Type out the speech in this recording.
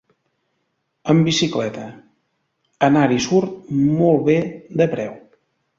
Amb bicicleta, anar-hi surt molt bé de preu.